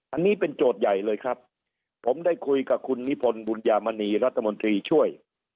อันนี้เป็นโจทย์ใหญ่เลยครับผมได้คุยกับคุณนิพนธ์บุญญามณีรัฐมนตรีช่วย